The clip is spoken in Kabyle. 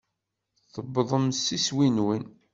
Tuwḍem s iswi-nwen.